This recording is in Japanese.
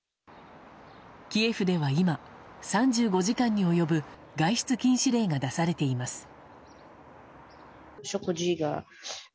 キエフでは今、３５時間に及ぶ外出禁止令が出されています。